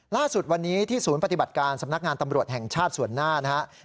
ล่าสุดวันนี้ที่ศูนย์ปฏิบัติการสำนักงานตำรวจแห่งชาติส่วนหน้านะครับ